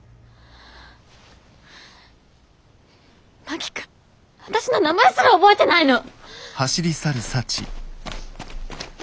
真木君私の名前すら覚えてないの！？